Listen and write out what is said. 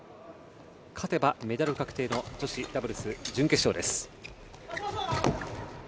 勝てばメダル確定の女子ダブルス準決勝です。